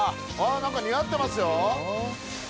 何か似合ってますよ。